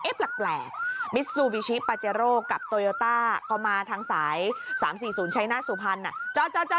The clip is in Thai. แปลกมิซูบิชิปาเจโร่กับโตโยต้าพอมาทางสาย๓๔๐ชัยหน้าสุพรรณน่ะ